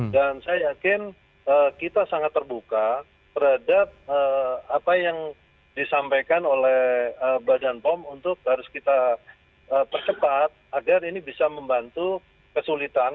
dan saya yakin kita sangat terbuka terhadap apa yang disampaikan oleh badan pom untuk harus kita percepat agar ini bisa membantu kesulitan